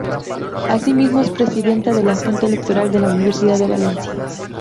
Asimismo es presidente de la junta electoral de la Universidad de Valencia.